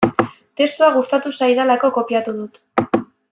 Testua gustatu zaidalako kopiatu dut.